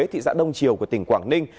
thị giã đông triều của tỉnh quảng ninh